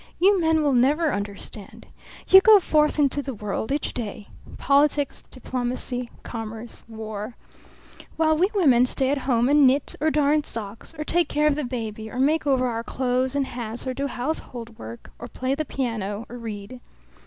You men will never understand. You go forth into the world each day politics, diplomacy, commerce, war while we women stay at home and knit or darn socks or take care of the baby or make over our clothes and hats or do household work or play the piano or read.